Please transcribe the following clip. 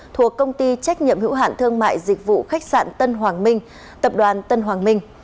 thuộc công ty trách nhiệm hữu hạn thương mại dịch vụ khách sạn tân hoàng minh tập đoàn tân hoàng minh